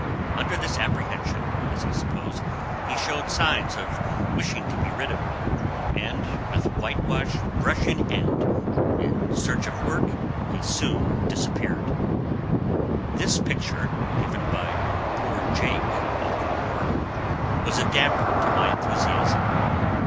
Under this apprehension, as I suppose, he showed signs of wishing to be rid of me, and with whitewash brush in hand, in search of work, he soon disappeared. This picture, given by poor "Jake," of New York, was a damper to my enthusiasm.